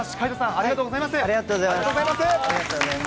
ありがとうございます。